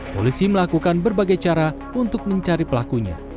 polisi melakukan berbagai cara untuk mencari pelakunya